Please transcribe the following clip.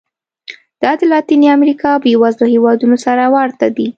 دا د لاتینې امریکا بېوزلو هېوادونو سره ورته دي.